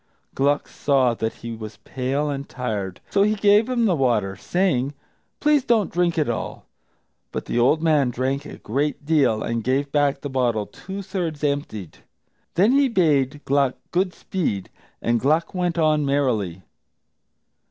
Gluck saw that he was pale and tired, so he gave him the water, saying, "Please don't drink it all." But the old man drank a great deal, and gave back the bottle two thirds emptied. Then he bade Gluck good speed, and Gluck went on merrily.